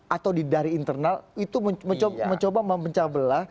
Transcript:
atau dari internal itu mencoba memencabela